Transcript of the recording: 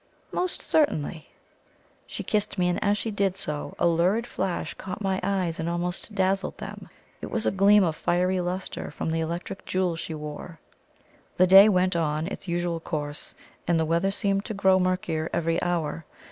"Most certainly." She kissed me, and as she did so, a lurid flash caught my eyes and almost dazzled them. It was a gleam of fiery lustre from the electric jewel she wore. The day went on its usual course, and the weather seemed to grow murkier every hour.